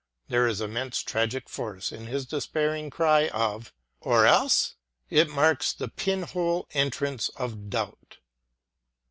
There is immense tragic force in his despairing cry of '* ŌĆö or else ŌĆö ?" It marks the pin hole entrance of doubt.